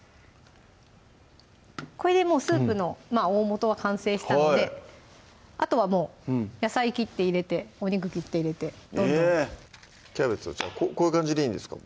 これでもうスープの大もとは完成したのであとはもう野菜切って入れてお肉切って入れてどんどんキャベツこういう感じでいいんですか？